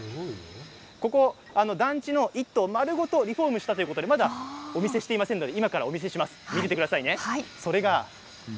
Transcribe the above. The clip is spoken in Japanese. ここ団地の１棟丸ごとリフォームしたということでまだお見せしていませんので今からお見せします。